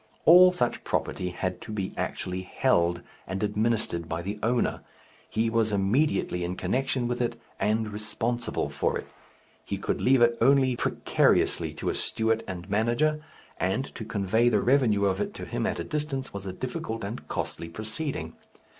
All such property had to be actually "held" and administered by the owner, he was immediately in connection with it and responsible for it. He could leave it only precariously to a steward and manager, and to convey the revenue of it to him at a distance was a difficult and costly proceeding.